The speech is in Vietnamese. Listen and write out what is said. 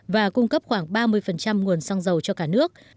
và cung cấp khoảng ba mươi nguồn xăng dầu cho cả nước